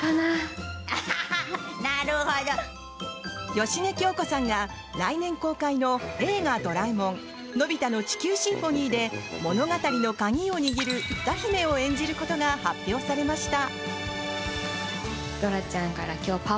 芳根京子さんが、来年公開の「映画ドラえもんのび太の地球交響楽」で物語の鍵を握る歌姫を演じることが発表されました。